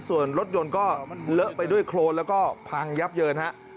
ส่วนรถยนต์ก็เลอะไปด้วยโครนแล้วก็พังยับเยินฮะ